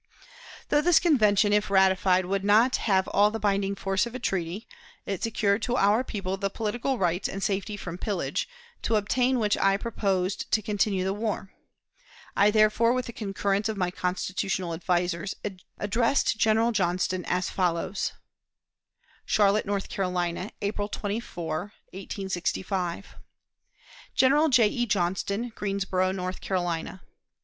Though this convention, if ratified, would not have all the binding force of a treaty, it secured to our people the political rights and safety from pillage, to obtain which I proposed to continue the war. I, therefore, with the concurrence of my constitutional advisers, addressed General Johnston as follows: "CHARLOTTE, NORTH CAROLINA, April 24, 1865. "General J. E. JOHNSTON, _Greensboro, North Carolina.